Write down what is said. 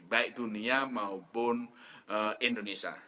baik dunia maupun indonesia